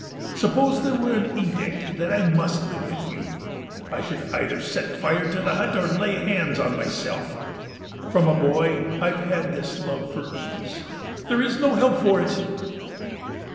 Suppose there were an edict that I must live with you, I should either set fire to the hut or lay hands on myself. From a boy I've had this love for ease; there is no help for it."